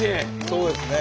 そうですね。